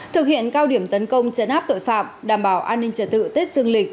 thực hiện cao điểm tấn công chấn áp tội phạm đảm bảo an ninh trật tự tết dương lịch